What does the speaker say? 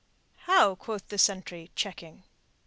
"How?" quoth the sentry, checking.